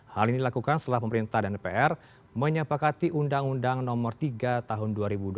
hal ini dilakukan setelah pemerintah dan dpr menyepakati undang undang nomor tiga tahun dua ribu dua puluh